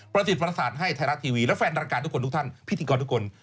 ประสิทธิ์ประสานให้ไทยรัฐทีวีและแฟนด้านการณ์ทุกคนทุกท่านพิธีกรทุกคน